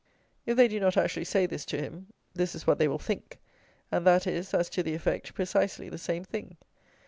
If they do not actually say this to him, this is what they will think; and that is, as to the effect, precisely the same thing.